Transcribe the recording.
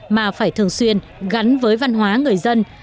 mà phải thường xuyên gắn với văn hóa người dân